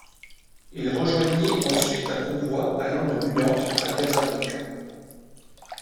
Il rejoignit ensuite un convoi allant de New York à Casablanca.